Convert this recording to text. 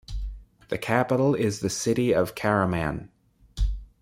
The capital is the city of Karaman.